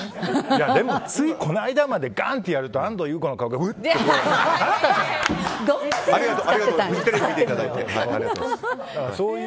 でもついこの間までガン！ってやると安藤優子の顔がウッてなったじゃない。